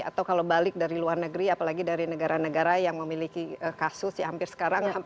atau kalau balik dari luar negeri apalagi dari negara negara yang memiliki kasus ya hampir sekarang